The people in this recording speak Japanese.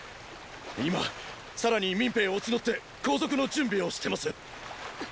今さらに民兵を募って後続の準備をしてます。！